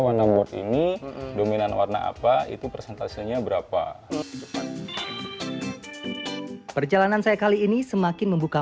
warna mod ini dominan warna apa itu persentasenya berapa perjalanan saya kali ini semakin membuka